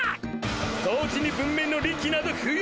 掃除に文明の利器など不要だ！